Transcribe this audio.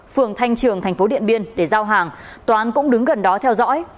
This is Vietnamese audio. phường thanh trường thành phố điện biên để giao hàng toán cũng đứng gần đó theo dõi